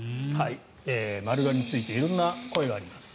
丸刈りについて色んな声があります。